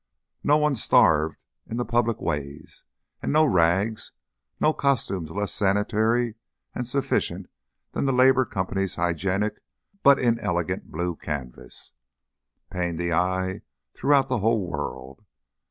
No one starved in the public ways, and no rags, no costume less sanitary and sufficient than the Labour Company's hygienic but inelegant blue canvas, pained the eye throughout the whole world.